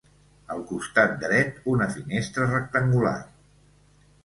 Al costat dret, una finestra rectangular.